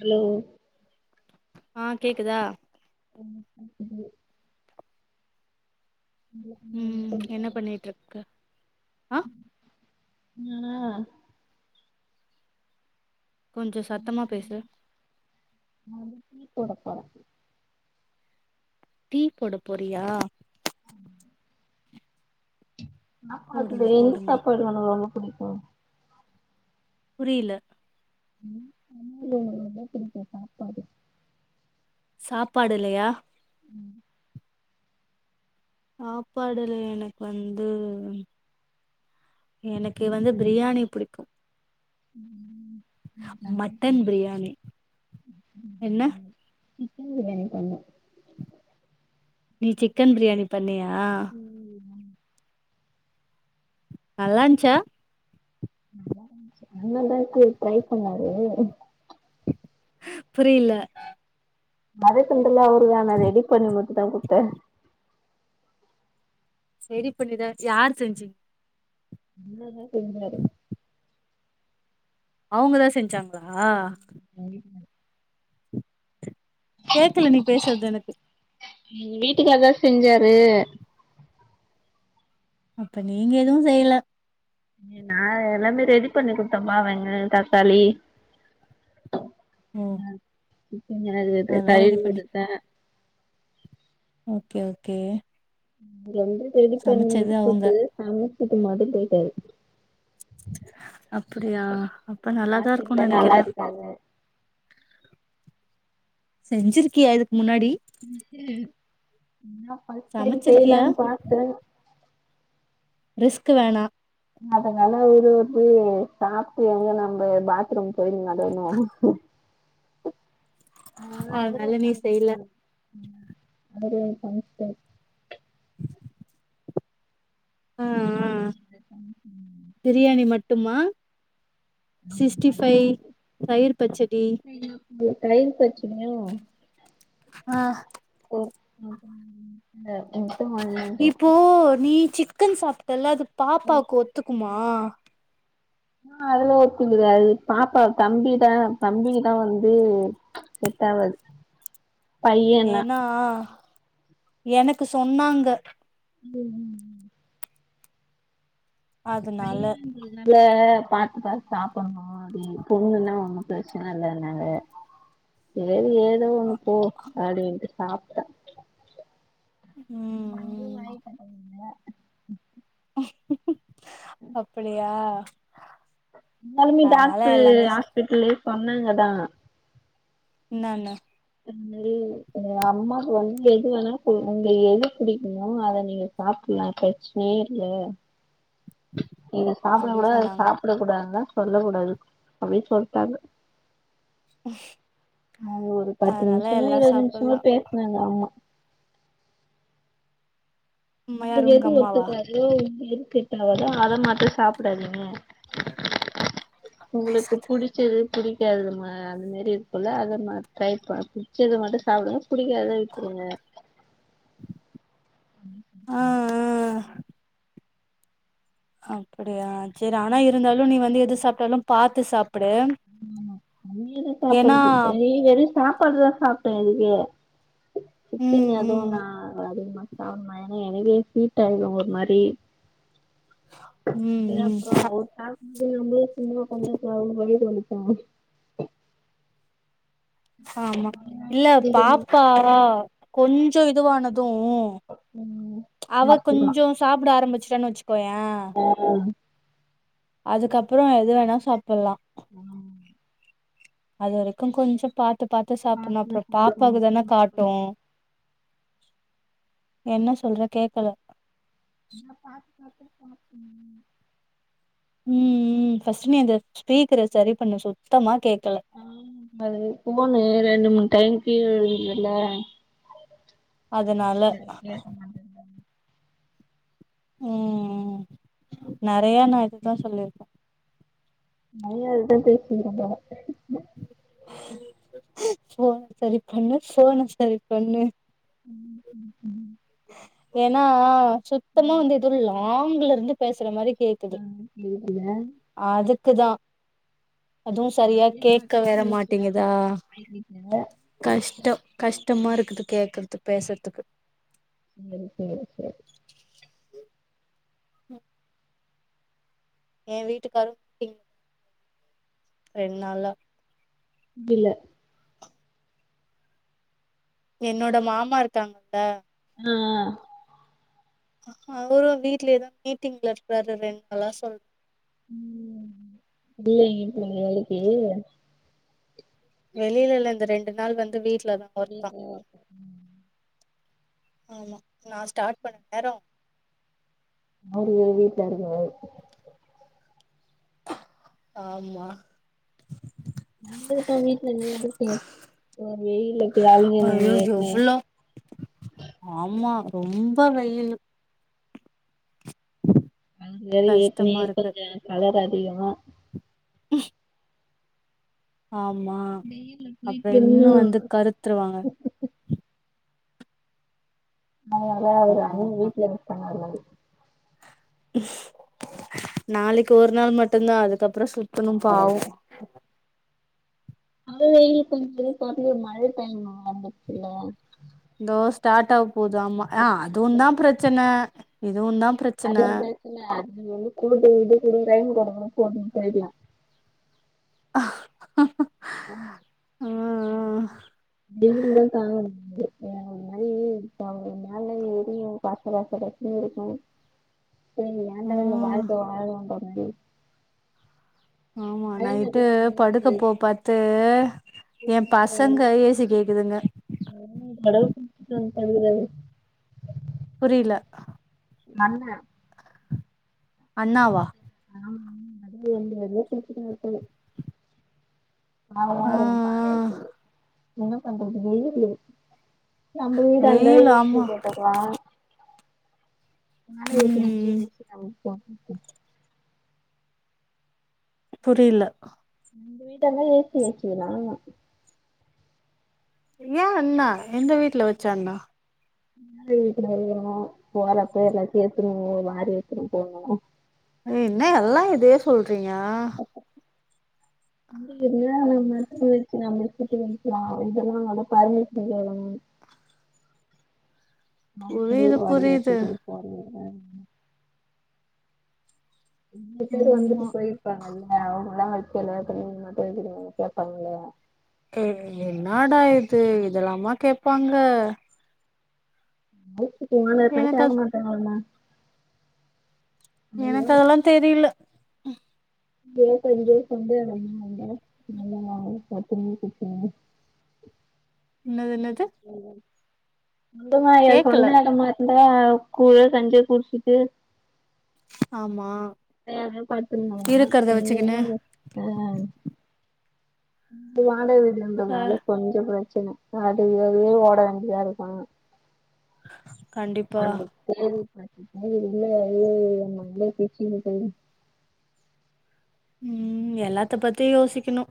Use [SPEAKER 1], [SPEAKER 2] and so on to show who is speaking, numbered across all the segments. [SPEAKER 1] hello
[SPEAKER 2] ஆ கேக்குதா
[SPEAKER 1] ஆமா கேக்குது
[SPEAKER 2] ம் என்ன
[SPEAKER 1] உங்களுக்கு
[SPEAKER 2] பண்ணிட்ருக்க
[SPEAKER 1] [inaudible]
[SPEAKER 2] ஆ
[SPEAKER 1] ம் ஆனா
[SPEAKER 2] கொஞ்சோ
[SPEAKER 1] என்ன
[SPEAKER 2] சத்தமா பேசு
[SPEAKER 1] பண்றீங்க நான் வந்து டீ போடப்போறே
[SPEAKER 2] டீ போடப் போறியா
[SPEAKER 1] ஆமா என்ன
[SPEAKER 2] போடுங்க
[SPEAKER 1] [unintelligible] எந்த
[SPEAKER 2] போடுங்க
[SPEAKER 1] சாப்பாடு உனக்கு ரொம்ப புடிக்கு
[SPEAKER 2] புரியல
[SPEAKER 1] ம் சமையல்ல உனக்கு ரொம்போ புடிச்ச சாப்பாடு
[SPEAKER 2] சாப்பாடுலையா
[SPEAKER 1] ம்
[SPEAKER 2] சாப்பாடுல எனக்கு வந்து எனக்கு வந்து பிரியாணி புடிக்கு
[SPEAKER 1] [inaudible]
[SPEAKER 2] மட்டன் பிரியாணி என்ன
[SPEAKER 1] சிக்கன் பிரியாணி பண்ணே
[SPEAKER 2] நீ சிக்கன் பிரியாணி பண்ணியா
[SPEAKER 1] ம்
[SPEAKER 2] நல்லான்ச்சா
[SPEAKER 1] நல்லான்ருச்சி மின்னர்ந்த ‌அளவுக்கு ட்ரை பண்ணாரு
[SPEAKER 2] புரில
[SPEAKER 1] வதக்கண்துலா அவுருதாங்க நா ரெடி பண்ணி மட்டுந்தா குட்த்தே
[SPEAKER 2] ரெடி பண்ணிதா யார் செஞ்சித்
[SPEAKER 1] என்னது செஞ்சாரு
[SPEAKER 2] அவுங்கதா செஞ்சாங்ளா
[SPEAKER 1] [unintelligible]
[SPEAKER 2] கேக்கல நீ பேசறது எனக்கு
[SPEAKER 1] எங்க வீட்டுக்காருதா செஞ்சாரு
[SPEAKER 2] அப்ப நீங்க எதுவூ செய்ல
[SPEAKER 1] நா எல்லாமே ரெடி பண்ணி குடுத்தம்ப்பா வெங்காயோ தக்காளி
[SPEAKER 2] ம்
[SPEAKER 1] சிக்கன்ன இது கழவி
[SPEAKER 2] பண்ணி
[SPEAKER 1] குடுத்தே
[SPEAKER 2] ஓகே ஓகே
[SPEAKER 1] ரெண்டு ரெடி பண்ணி
[SPEAKER 2] சமச்சது அவுங்க
[SPEAKER 1] குடுத்துட்டு [unintelligible] போயிட்டாரு
[SPEAKER 2] அப்படியா அப்ப நல்லாதா இருக்கூ
[SPEAKER 1] சாப்டுட்டு நல்லா
[SPEAKER 2] நெனைக்குறே
[SPEAKER 1] இருக்காங்க
[SPEAKER 2] செஞ்சிருக்கியா இதுக்கு முன்னாடி
[SPEAKER 1] ம் ஹூம் நா ஃபர்ஸ்ட் டைம்
[SPEAKER 2] சமச்சிருக்கியா
[SPEAKER 1] செய்லான்னு பார்த்தே
[SPEAKER 2] ரிஸ்க்கு வேணா
[SPEAKER 1] அதனால எதுக்கு சாப்ட்டு எங்க நம்ப பாத்ரூம் போய் நடக்கனோ
[SPEAKER 2] ஆவ்ர் நல்லாவே செய்ல
[SPEAKER 1] ஒரே குமட்டல்
[SPEAKER 2] ஆ ஆ
[SPEAKER 1] எனக் இந்த கமிஷன்
[SPEAKER 2] ட்டுமா
[SPEAKER 1] ஆமாம் அது மட்டுந்தெ
[SPEAKER 2] தயிர் பச்
[SPEAKER 1] [unintelligible] தயிர் பச்சடியூ
[SPEAKER 2] ஆ
[SPEAKER 1] ஓ [inaudible] ஆ முட்ட ‌ஒன்னு
[SPEAKER 2] இப்போ நீ சிக்கன் சாப்ட்டல்ல அது பாப்பாவுக்கு ஒத்துக்குமா
[SPEAKER 1] ஆ அதுல ஒத்துக்குது அது பாப்பா தம்பிதா தம்பிதா வந்து செட்டாவது
[SPEAKER 2] ஏன்னா எனக்கு சொன்னாங்க
[SPEAKER 1] ம் ம்
[SPEAKER 2] அதனால
[SPEAKER 1] பையின்றதுனால பாத் பாத் சாப்பட்ணோ அது பொங்கன்னா ஒன்னூ பிரச்சன இல்லன்னாங்க செரி ஏதோ ஒண்ணு போ அப்டின்ட்டு சாப்ட்டே
[SPEAKER 2] ம்
[SPEAKER 1] நா வந்து
[SPEAKER 2] ம்
[SPEAKER 1] வாய கட்ட முட்ல
[SPEAKER 2] அப்படியா
[SPEAKER 1] இருந்தாலுமே
[SPEAKER 2] அதனால
[SPEAKER 1] டாக்ரு
[SPEAKER 2] எல்லாமே சா
[SPEAKER 1] ஹாஸ்பிட்ல்லயே சொன்னாங்க தா
[SPEAKER 2] என்னான்னூ
[SPEAKER 1] அந் து எங்க அம்மாக்கு வந்து எது வேணா செய்வாங்க எது புடிக்குமோ அத நீங்க சாப்புல்லா இப்ப ஷ்மயிர்ல இத சாப்புடக்
[SPEAKER 2] அப்டி
[SPEAKER 1] கூடாது அது
[SPEAKER 2] சொன்னாங்க
[SPEAKER 1] சாப்புட கூடாதா சொல்ல கூடாது அப்டின்னு சொல்ட்டாங்க அவுங்க ஒரு பத்து
[SPEAKER 2] அதனால
[SPEAKER 1] நிமிஷமோ
[SPEAKER 2] எல்லா
[SPEAKER 1] இருபது நிமிஷமோ
[SPEAKER 2] சாப்பல்லா
[SPEAKER 1] பேசுனாங்க அம்மா
[SPEAKER 2] ம்
[SPEAKER 1] ரெண்ட்டு
[SPEAKER 2] யாரு உங்க
[SPEAKER 1] பேத்துக்கு
[SPEAKER 2] அம்மாவா
[SPEAKER 1] ஒத்துக்காது உங்ளுக் எதுக் செட்டாவுதோ அத மட்டு சாப்புடாதீங்க
[SPEAKER 2] என்னக்கு
[SPEAKER 1] உங்களுக்கு புடிச்சது புடிக்காதது மா அந்த மேரி இருக்குல்ல அது மார் ட்ரை பண் சேரத மட்டு சாப்பிடுங்க பிடிக்காதத விட்ருங்க அப்டின் செல்
[SPEAKER 2] ஆ
[SPEAKER 1] செல்லூ
[SPEAKER 2] அப்படியா செரி ஆனா இருந்தாலூ நீ வந்து எது சாப்பிட்டாலூ பார்த்து சாப்பிடு
[SPEAKER 1] ம் இனிதா சாப்புட்றது [unintelligible] வெற சாப்பாடுதா சாப்ட்டே இதுக்கு
[SPEAKER 2] ம்
[SPEAKER 1] சிக்கன் எதுவு
[SPEAKER 2] ம்
[SPEAKER 1] நா அதிகமா சாப்புடுவே ஏன்னா எனக்குயே ஹுட்டாயிடு ஒரு மாரி
[SPEAKER 2] ம் ம்
[SPEAKER 1] எனக்கு அவுங்க சாப்புடும் போது [unintelligible]
[SPEAKER 2] ஆமா
[SPEAKER 1] அதனால
[SPEAKER 2] இல்ல
[SPEAKER 1] கொஞ்சமா
[SPEAKER 2] பாப்பா கொஞ்சோ இதுவானது
[SPEAKER 1] ம்
[SPEAKER 2] அவ
[SPEAKER 1] சாப்ட்டுக்கலா
[SPEAKER 2] கொஞ்சோ சாப்பிட ஆரம்பிச்சிட்டான்னு வச்சுக்கோயே அதுக்கப்புறோ எது வேணா சாப்புல்லா
[SPEAKER 1] ம்
[SPEAKER 2] அது வரைக்கு கொஞ்சம் பாத்து பாத்து சாப்புன்ணு
[SPEAKER 1] பாத்து
[SPEAKER 2] அப்புறோ
[SPEAKER 1] சாப்புட்ணு
[SPEAKER 2] பாப்பாக்கு தான
[SPEAKER 1] என்ன
[SPEAKER 2] காட்டு
[SPEAKER 1] பண்றதுன்னா
[SPEAKER 2] என்ன சொல்ற கேட்கல
[SPEAKER 1] உன்ன பாத்து பாத்து [inaudible]
[SPEAKER 2] ம் ம் ஃபஸ்ட்டு நீ அந்த ஸ்பீக்கர சரி பண்ணு சுத்தமா கேட்கல
[SPEAKER 1] ம் அது ஃபோனு ரெண்டு மூணு டைம் கீழ விழுந்ததுல்ல
[SPEAKER 2] அதனால
[SPEAKER 1] கேக்க மாட்டே
[SPEAKER 2] ம் ம் நறைய நா இதுதா சொல்லிருக்கே
[SPEAKER 1] நறையா இததா பேசிக்கிறேன்றாங்க
[SPEAKER 2] ஃபோன சரி பண்ணு ஃபோன சரி பண்ணு
[SPEAKER 1] ம் ம் ம்
[SPEAKER 2] ஏன்னா சுத்தமா வந்து எதோ லாங்லருந்து பேசுற மாரி கேக்கு
[SPEAKER 1] ஆ இல்ல இல்ல
[SPEAKER 2] அதுக்குதா அதுவு சரியா
[SPEAKER 1] இங்கே
[SPEAKER 2] கேக்க வேற
[SPEAKER 1] பக்கத்துல இருந்துச்சின்னா
[SPEAKER 2] மாட்டேங்குதா
[SPEAKER 1] [inaudible] ல
[SPEAKER 2] கஷ்டோ கஷ்டமாருக்குது கேக்கறதுக்கு பேசுறதுக்கு
[SPEAKER 1] சேரி சேரி சேரி
[SPEAKER 2] ம் எ வீட்டுக்காரு [inaudible] ரெண்ட் நாளா
[SPEAKER 1] இல்ல
[SPEAKER 2] என்னோட மாமாருக்காங்கல்ல
[SPEAKER 1] அ
[SPEAKER 2] அவரு வீட்லயேதா மீட்டிங்ல இருக்குறாரு ரெண்டு நாளா சொல்றே
[SPEAKER 1] ம் இல்லைங்க தோழி வேலைக்கி
[SPEAKER 2] வெளியில இல்ல இந்த ரெண்டு நாள் வந்து வீட்லதா ஒர்க்தா
[SPEAKER 1] வீட்ல தா [inaudible] ம்
[SPEAKER 2] ஆமா நா ஸ்டார்ட் பண்ண நேரோ
[SPEAKER 1] அவரு வீட்டுல இருக்ரே
[SPEAKER 2] ஆமா
[SPEAKER 1] இங்கதா வீட்டுல ஏ எதுக்கு வெயில போய் அளயனு
[SPEAKER 2] ஐயோ
[SPEAKER 1] ஏற்கனே
[SPEAKER 2] எவ்ளோ ஆமா ரொம்ப வெயில்
[SPEAKER 1] அழங்கார ஏற்கனே
[SPEAKER 2] கஷ்டமா இருக்கு
[SPEAKER 1] கொஞ்சோ கலர் அதிகோ
[SPEAKER 2] ஆமா
[SPEAKER 1] வெயில்ல
[SPEAKER 2] அப்புறோ
[SPEAKER 1] போயிட்டு
[SPEAKER 2] இன்னு வந்து கருத்துருவாங்க
[SPEAKER 1] அதனால அவரு
[SPEAKER 2] ஆமா
[SPEAKER 1] அண்ணி
[SPEAKER 2] ஆமா
[SPEAKER 1] வீட்டுல இருக்கேன்னாரு
[SPEAKER 2] நாளைக்கு ஒரு நாள் மட்டுதா அதுக்கப்புறோ சுத்தணு பாவு
[SPEAKER 1] அது வெயில் கொஞ்சோ பட்லயே மழ டைம் இருந்துச்சுல
[SPEAKER 2] இதோ ஸ்டார்ட் ஆக போது ஆமா ஆ அதுவு தா பிரச்சன இதுவு தா பிரச்
[SPEAKER 1] அதுவு பேச அது குடு குடு குடுக்றேன்ட்டு கடக்கு சேரின்னு போய்டலா
[SPEAKER 2] ஆ
[SPEAKER 1] ஆம்
[SPEAKER 2] ஆ ஆ
[SPEAKER 1] வெயில்லதா [unintelligible] அந்த மாதிரி இப்ப நாள்ளா எரியு பாச பாச பிரச்சன இருக்கு சரி ஏன்டா இந்த
[SPEAKER 2] ம்
[SPEAKER 1] வாழ்க்கைய வாழ்றோன்ற மாரி
[SPEAKER 2] ஆமா
[SPEAKER 1] மழைல
[SPEAKER 2] நைட்டு
[SPEAKER 1] கூட ஒன்னு
[SPEAKER 2] படுக்க
[SPEAKER 1] தெரியாது
[SPEAKER 2] போ பத்து ஏ பசங்க ஏசி கேக்குதுங்க
[SPEAKER 1] ஹலோ அஹ் சொல்லு ப்ரோ
[SPEAKER 2] புரியல
[SPEAKER 1] நல்ல
[SPEAKER 2] அண்ணாவா
[SPEAKER 1] ஆமா அதுல [inaudible] பிரச்சன இருக்கு ஆ எல்லாரு வன்ட்டாங்க என்ன பண்றது வெயிலு நம்ம வீடு அந்த
[SPEAKER 2] வெயில்
[SPEAKER 1] ஏசி
[SPEAKER 2] ஆமா
[SPEAKER 1] போட்டுக்லா அதனால இதுமாரி
[SPEAKER 2] ம் புரியல
[SPEAKER 1] எங்க வீடெல்லா ஏசி வச்சிர்லா
[SPEAKER 2] ஏ என்னா எந்த வீட்டுல வச்சா என்ன
[SPEAKER 1] எங்க வீட்டுல வரனு போறப்ப எல்லா சேத்துருவோ யாரு எப்டி போகணு
[SPEAKER 2] என்ன எல்லா இதே சொல்றீங்க
[SPEAKER 1] அ நம் மட்ட நம்மட்டு வக்கலா இதெல்லா [unintelligible]
[SPEAKER 2] புரியுது புரியுது
[SPEAKER 1] [unintelligible] எட்டு பேரு வந்துட்டு
[SPEAKER 2] ஆமா
[SPEAKER 1] போயிருப்பாங்கல்ல அவங்கல்லா வைக்கல [unintelligible] கேப்பாங்கள
[SPEAKER 2] ஏ என்னாடா இது இதெல்லாம கேப்பாங்க
[SPEAKER 1] நைட்டுக்கு
[SPEAKER 2] எனக்கு
[SPEAKER 1] [unintelligible]
[SPEAKER 2] அது
[SPEAKER 1] மாட்டாங்கல்ல
[SPEAKER 2] எனக்கு அதெல்லா தெரில
[SPEAKER 1] பஞ்ச பேய வந்து எ வந்த நல்லா வா பேக் பண்ணியே குடுத்துருவாங்க
[SPEAKER 2] என்னது என்னது
[SPEAKER 1] சொந்தமாது சொந்த
[SPEAKER 2] கேக்கல
[SPEAKER 1] இடமா இந்த கூழோ கஞ்சியோ குடிச்சிட்டு
[SPEAKER 2] ஆமா
[SPEAKER 1] அஹ் படுத்திருவாங்க
[SPEAKER 2] இருக்கறத
[SPEAKER 1] இங்க
[SPEAKER 2] வச்சுக்கினு
[SPEAKER 1] என்ன ப்ரோ ஆஹ் அது வாடக
[SPEAKER 2] அ
[SPEAKER 1] வீடுன்றதனால கொஞ்சோ பிரச்சன காட்டுக்கு வேலியு ஓட வேண்டியிதா இருப்பாங்க
[SPEAKER 2] கண்டிப்பா
[SPEAKER 1] அ இப்ப கேள்விபட்ருக்க இல்ல [unintelligible] குக்கீங் டைம்
[SPEAKER 2] ம் எல்லாத்த பத்தி யோசிக்குணு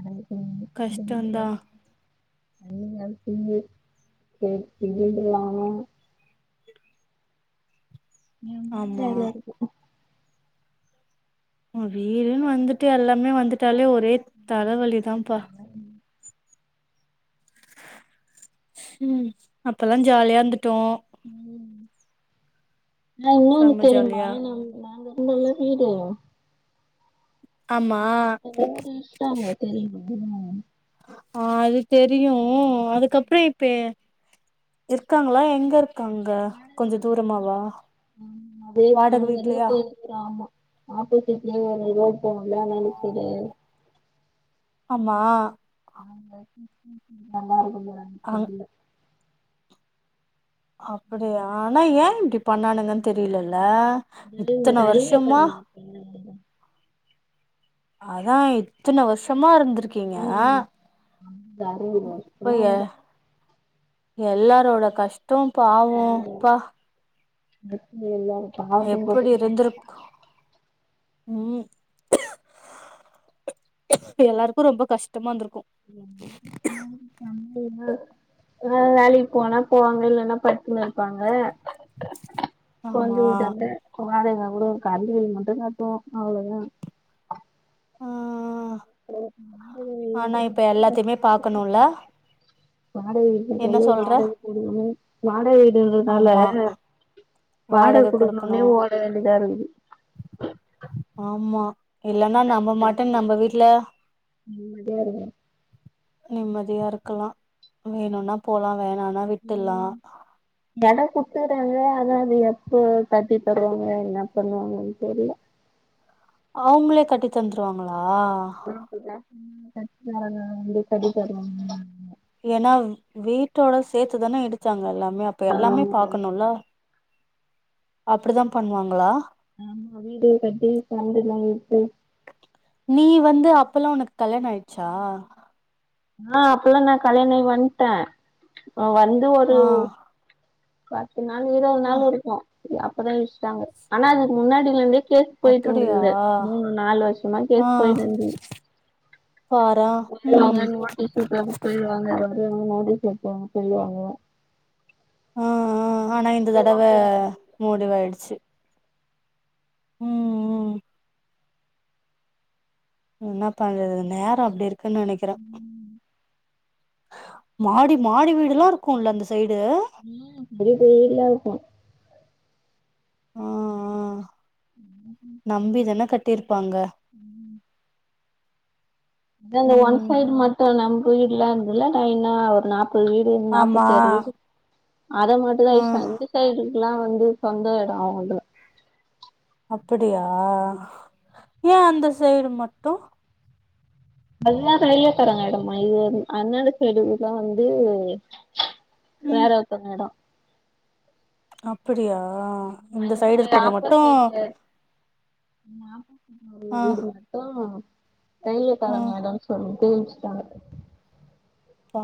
[SPEAKER 1] அது என்ன பண்ண முடியு சாப்ட
[SPEAKER 2] கஷ்டந்தா
[SPEAKER 1] முடியாது நீங்க அதுக் இங்யே [unintelligible] எம்
[SPEAKER 2] ஆமா
[SPEAKER 1] வேல இருக்கு
[SPEAKER 2] வீடுன்னு வந்துட்டு எல்லாமே வந்துட்டாலே ஒரே தலவலி தாப்பா ஹம் அப்பல்லா ஜாலியா இருந்துட்டோ
[SPEAKER 1] ம் நா இன்னோன்னு
[SPEAKER 2] செம்ம
[SPEAKER 1] தெரியுமா
[SPEAKER 2] ஜாலியா
[SPEAKER 1] நாங்க இங்கதா வீடு
[SPEAKER 2] ஆமா
[SPEAKER 1] அவரு இஷ்டோ இல்ல தெரியுமா
[SPEAKER 2] ஆ அது தெரியு அதுக்கப்றோ இப்ப இருக்காங்ளா எங்க இருக்
[SPEAKER 1] அதே
[SPEAKER 2] வாடக
[SPEAKER 1] அங்க இருக்கு
[SPEAKER 2] வீட்லயா
[SPEAKER 1] கோயில் ஆமா ஆப்போசிட்லியே ஒரு ரோட் போகுல்ல வேளச்சேரி
[SPEAKER 2] ஆமா
[SPEAKER 1] ஆனா என்னா பண்ணுவாங்கணு
[SPEAKER 2] அங்
[SPEAKER 1] தெரில
[SPEAKER 2] அப்டியா ஆனா ஏ இப்பிடி பண்ணானுங்கன்னு தெரியலல்ல இத்தன வருஷமா
[SPEAKER 1] ம்
[SPEAKER 2] அதா இத்தன வர்ஷமா இருந்ருக் இருக்கீங்க
[SPEAKER 1] ம் அந்த அறுவது வருஷமா
[SPEAKER 2] இப்பய எல்லாரோட கஷ்டோ பாவுப்பா
[SPEAKER 1] இருக்க முடியாது
[SPEAKER 2] எப்படி
[SPEAKER 1] [unintelligible]
[SPEAKER 2] இருந்திருக்கு ம் எல்லாருக்கு ரொம்ப கஷ்டமா இருந்ருக்கு
[SPEAKER 1] ரொம்ப கஷ்டமாருந் வேலைக்குப் போனா போவாங்க இல்லன்னா படுத்துக்குனு இருப்பாங்க புகுந்த
[SPEAKER 2] ஆமா
[SPEAKER 1] வீட்டான்ட வாடக கூட கரெண்ட் பில் மட்டுதா ஓபன் ஆவ்ளியா
[SPEAKER 2] ஆ
[SPEAKER 1] வாடகை
[SPEAKER 2] ஆனா
[SPEAKER 1] வீடுன்றதுனால
[SPEAKER 2] இப்ப எல்லாத்தையுமே பாக்கணுல்ல
[SPEAKER 1] ஒரு மாரிஇருக்கு வாடக வீட்ல இருக்றது வாடகை [unintelligible] வாடக வீடுன்றதுனால
[SPEAKER 2] ஆமா
[SPEAKER 1] வாடக குடுக்கணுனே ஓட வேண்டியதா இருக்குது
[SPEAKER 2] ஆமா இல்லன்னா நம்ம பாட்டு நம்ம வீட்ல
[SPEAKER 1] நிம்மதியா இருக்கு
[SPEAKER 2] நிம்மதியா இருக்கலா வேணுன்னா போலா வேணான்னா விட்டர்லா
[SPEAKER 1] எடங் குட்த்துட்றாங்க ஆனா அது எப்போ கட்டித் தருவாங்க என்ன பண்ணுவாங்கன் தெரில
[SPEAKER 2] அவுங்ளே கட்டித் தந்துருவாங்ளா
[SPEAKER 1] அப்டிதா சொன்னாங்க கட்டித் தருவாங்க அவங்களே கட்டித் தருவாங்கணு
[SPEAKER 2] ஏனா வீட்டோட சேத்து தானே இடிச்சாங்க எல்லாமே அப்ப எல்லாமே
[SPEAKER 1] ஆமா ஆமா
[SPEAKER 2] பாக்கணுல்ல அப்டி தா பண்ணுவாங்ளா
[SPEAKER 1] நம்ம வீடு கட்டி தந்துருவாங்கன்ட்டு
[SPEAKER 2] நீ வந்து அப்பல்லா உனக்கு கல்யாணோ ஆய்ட்ச்சா
[SPEAKER 1] ஆ அப்பல்லா நா கல்யாணோ ஆயி வன்ட்டே இப்போ வந்து ஒரு
[SPEAKER 2] ஆ
[SPEAKER 1] பத்து நாள் இருவது
[SPEAKER 2] ஆ
[SPEAKER 1] நாள் இருக்கு அப்பதா இடிச்ட்டாங்க ஆனா அதுக்கு முன்னாடிலந்தே கேஸ்
[SPEAKER 2] அப்படியா
[SPEAKER 1] பொயிட்ருந்துது மூணு நாலு வர்ஷமா கேஸ் பொயிட்டுருந்துது
[SPEAKER 2] பாரா
[SPEAKER 1] சொல்லுவாங்க நோட்டீஸ் ஒட்றனு பொட்டு வாங்க வந்து நோட்டீஸ் ஒட்றனு பொய்டுவாங்க
[SPEAKER 2] ஆ ஆ ஆனா இந்த தடவ
[SPEAKER 1] போயிட்டு
[SPEAKER 2] முடிவாயிடுச்சு ம் ம் என்ன பண்றது நேரோ அப்டி இருக்குன் நெனக்கிறே மாடி மாடி வீடுல்லா இருக்குல்ல அந்த சைடு
[SPEAKER 1] ம் பெரிய பெரிய வீட்லா இருக்கு
[SPEAKER 2] ஆ ஆ நம்பிதான கட்டிருப்பாங்க
[SPEAKER 1] ம் இத அந்த ஒன்
[SPEAKER 2] ம்
[SPEAKER 1] சைட் மட்டு நம்ம வீட்லா இருக்ல லைனா ஒரு நாப்பது வீ டு
[SPEAKER 2] ஆமா
[SPEAKER 1] நாப்பத்தி ஆறு வீடு அத மட்டுதா
[SPEAKER 2] ஆ
[SPEAKER 1] இட்சா [unintelligible] ந்து இந் சைடுக்குலா வந்து சொந்த எடோ அவ்ங்ளதுல
[SPEAKER 2] அப்புடியா ஏ அந்த சைடு மட்டு
[SPEAKER 1] அதா டைலர்காரங்க எடம்மா இது வந் அதனால சைடு இதலா வந்து
[SPEAKER 2] ம்
[SPEAKER 1] வேற ஒருத்தவங்க எடோ
[SPEAKER 2] அப்படியா இந்த சைடு இருக்கறது மட்டு
[SPEAKER 1] ஆப்போசைட்ல
[SPEAKER 2] ஆ
[SPEAKER 1] [inaudible] வீடு மட்டு
[SPEAKER 2] ஆ
[SPEAKER 1] டைலர்காரங்க எடோ ப அபே இட்ச்டாங்க